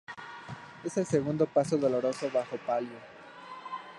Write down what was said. En el segundo paso dolorosa bajo palio.